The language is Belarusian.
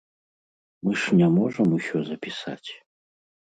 Мы ж не можам усё запісаць.